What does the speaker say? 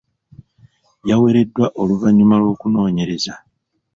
Yawereddwa oluvannyuma lw'okunoonyereza.